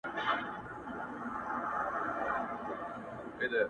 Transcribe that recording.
چي کله دې زموږ د مرگ فتواء ورکړه پردو ته